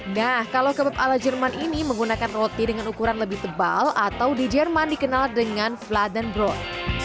nah kalau kebab ala jerman ini menggunakan roti dengan ukuran lebih tebal atau di jerman dikenal dengan fladen broad